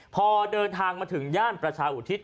พอเดินทางมาถึงย่านประชาอุทิศ